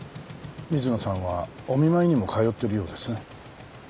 水野さんはお見舞いにも通ってるようですね？